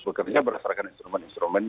berhasilnya berhasilkan instrumen instrumen